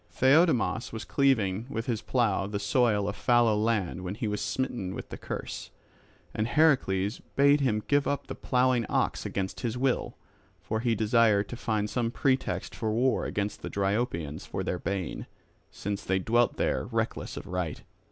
Theiodamas was cleaving with his plough the soil of fallow land when he was smitten with the curse; and Heracles bade him give up the ploughing ox against his will. For he desired to find some pretext for war against the Dryopians for their bane, since they dwelt there reckless of right.